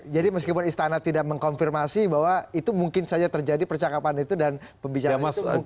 jadi meskipun istana tidak mengkonfirmasi bahwa itu mungkin saja terjadi percakapan itu dan pembicaraan itu mungkin saja